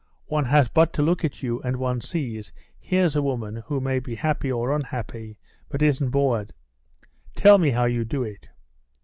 "One has but to look at you and one sees, here's a woman who may be happy or unhappy, but isn't bored. Tell me how you do it?"